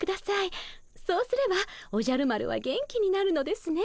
そうすればおじゃる丸は元気になるのですね。